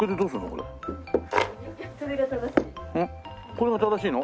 これが正しいの？